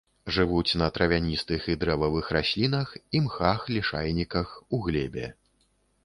Жывуць на травяністых і дрэвавых раслінах, імхах, лішайніках, у глебе.